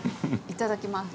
いただきます。